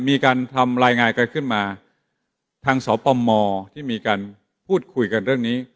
มีการทำรายงานกันขึ้นมาทางสปมที่มีการพูดคุยกันเรื่องนี้